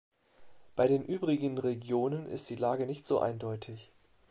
Bei den übrigen Regionen ist die Lage nicht so eindeutig.